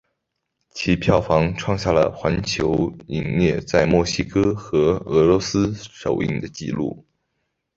其票房创下了环球影业在墨西哥和俄罗斯首映的纪录。